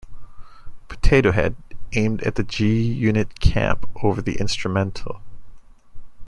Potato Head", aimed at the G-Unit camp over the instrumental.